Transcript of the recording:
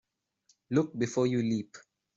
Look before you leap.